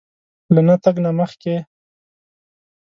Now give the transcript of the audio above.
له نه تګ نه مخکې